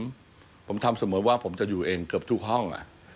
โรงแรมที่นี่ต้องบอกแล้วผมทำเสมอว่าผมจะอยู่เองเกือบทุกห้อง